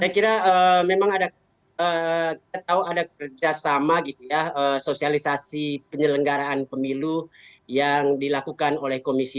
saya kira memang ada kerjasama gitu ya sosialisasi penyelenggaraan pemilu yang dilakukan oleh komisi dua